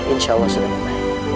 insya allah sudah membaik